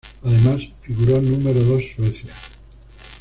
Además, figuró número dos Suecia.